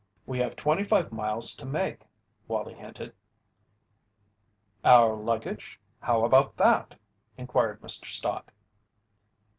"We have twenty five miles to make," Wallie hinted. "Our luggage? How about that?" inquired Mr. Stott.